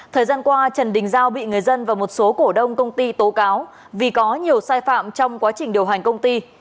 thời gian qua trần đình giao bị người dân và một số cổ đông công ty tố cáo vì có nhiều sai phạm trong quá trình điều hành công ty